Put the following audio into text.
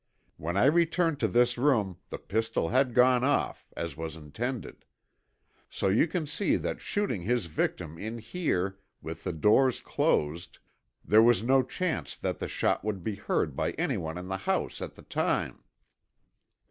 When I returned to this room the pistol had gone off, as was intended. So you can see that shooting his victim in here with the doors closed there was no chance that the shot would be heard by anyone in the house at the time."